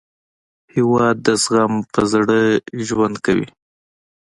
هېواد د زغم په زړه ژوند کوي.